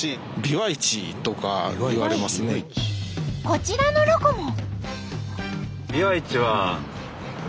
こちらのロコも。